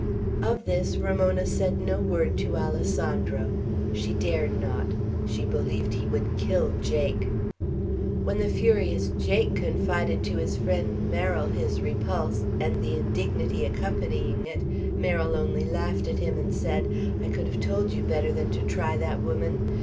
Of this Ramona said no word to Alessandro. She dared not; she believed he would kill Jake. When the furious Jake confided to his friend Merrill his repulse, and the indignity accompanying it, Merrill only laughed at him, and said: "I could have told you better than to try that woman.